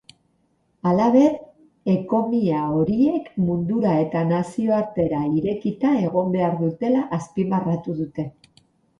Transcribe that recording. Halaber, ekomia horiek mundura eta nazioartera irekita egon behar dutela azpimarratu dute.